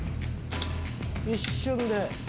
一瞬で。